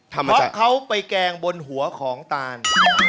เพราะเขาไปแกงบนหัวของตาน